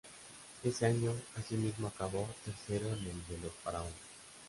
Ese año, asimismo, acabó tercero en el de los Faraones.